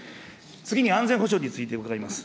次に、安全保障について伺います。